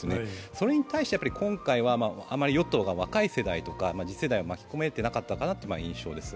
それに対して今回はあまり与党が若い世代とか次世代を巻き込めていなかったかなという印象です。